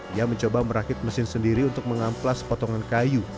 ia mencoba merakit mesin sendiri untuk mengamplas potongan kayu